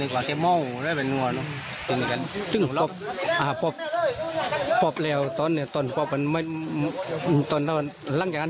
อืมบ้านบ้านที่เบาแต่เย็ดใหญ่แล้วโอเคเย็ดใหญ่แล้วมานำ